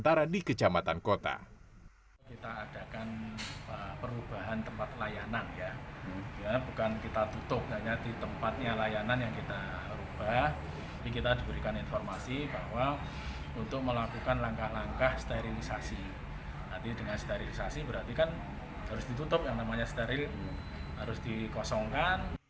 harus ditutup yang namanya steril harus dikosongkan